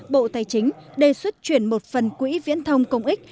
bộ tài chính đề xuất chuyển một phần quỹ viễn thông công ích